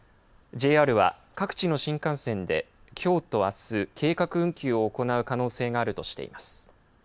ＪＲは各地の新幹線できょうとあす計画運休を行う可能性があるとしています。